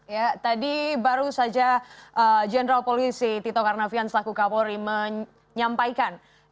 ya tadi baru saja general polisi tito karnavian selaku kapolri menyampaikan